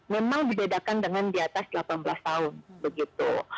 memang dibedakan dengan di atas delapan belas tahun begitu